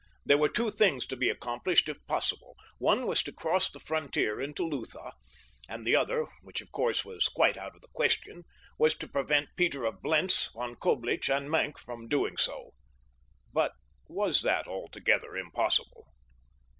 There were two things to be accomplished if possible. One was to cross the frontier into Lutha; and the other, which of course was quite out of the question, was to prevent Peter of Blentz, Von Coblich, and Maenck from doing so. But was that altogether impossible?